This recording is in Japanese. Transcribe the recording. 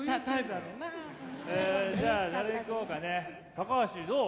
高橋どう？